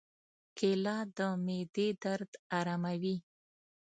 کېله د معدې درد آراموي.